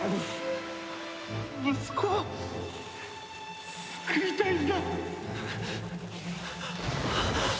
息子を救いたいんだ！